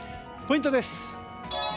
ポイントです。